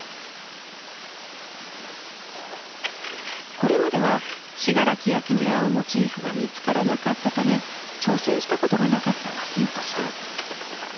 これまでは信楽焼に合うモチーフが見つからなかったため挑戦したことがなかった桝本さん。